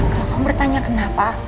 kalau kamu bertanya kenapa